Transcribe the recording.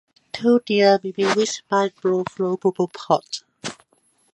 Tudela may be reached by boat through Poro port.